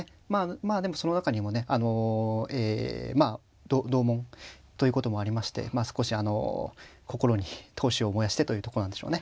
まあでもその中にもねあのえまあ同門ということもありまして少しあの心に闘志を燃やしてというとこなんでしょうね。